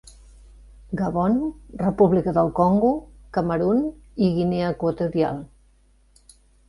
Gabon, República del Congo, Camerun i Guinea Equatorial.